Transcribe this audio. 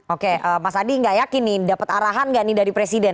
oke mas adi nggak yakin nih dapat arahan gak nih dari presiden